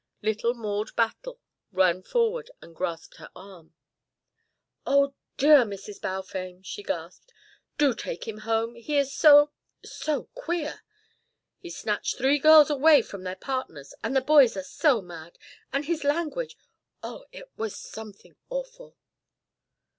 Little Maude Battle ran forward and grasped her arm. "Oh, dear Mrs. Balfame," she gasped, "do take him home. He is so so queer. He snatched three girls away from their partners, and the boys are so mad. And his language oh, it was something awful."